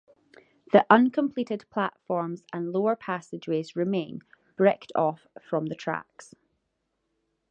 The uncompleted platforms and lower passageways remain, bricked off from the tracks.